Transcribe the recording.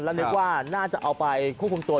แล้วนึกว่าน่าจะเอาไปควบคุมตัว